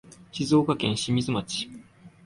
静岡県清水町